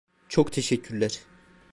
Çok teşekkürler.